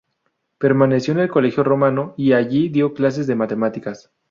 Permaneció en el Colegio Romano y allí dio clases de matemáticas.